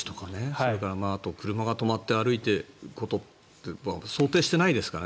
それから、車が止まって歩いていることって想定してないですから。